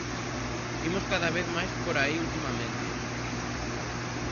Imos cada vez máis por aí ultimamente.